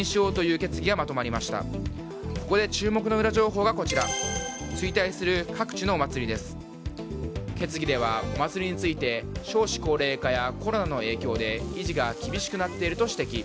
決議では、お祭りについて少子高齢化やコロナの影響で維持が厳しくなっていると指摘。